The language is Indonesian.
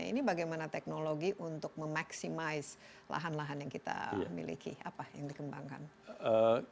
ini bagaimana teknologi untuk memaksimaisi lahan lahan yang kita miliki apa yang dikembangkan